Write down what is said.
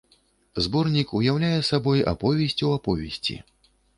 Зборнік уяўляе сабой аповесць у аповесці.